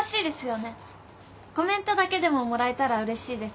コメントだけでももらえたらうれしいです